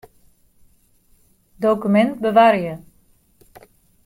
Dokumint bewarje.